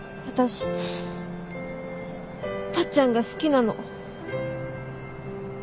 私タッちゃんが好きなの。